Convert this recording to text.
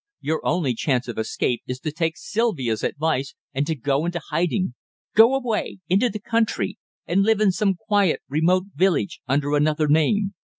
Your only chance of escape is to take Sylvia's advice and to go into hiding. Go away into the country and live in some quiet, remote village under another name.